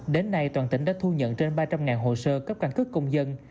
đến nay toàn tỉnh đã thu nhận trên ba trăm linh hồ sơ cấp căn cứ công dân